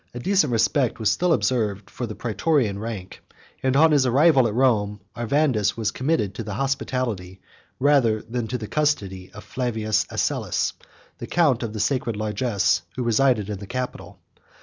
A decent respect was still observed for the Proefectorian rank; and on his arrival at Rome, Arvandus was committed to the hospitality, rather than to the custody, of Flavius Asellus, the count of the sacred largesses, who resided in the Capitol.